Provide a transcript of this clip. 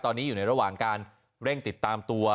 ตอนนี้อยู่ในระหว่างการเร่งติดตามตัว